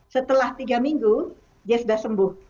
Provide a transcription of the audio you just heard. setelah tiga minggu dia sudah sembuh